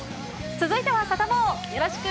続いてはサタボー、よろしく。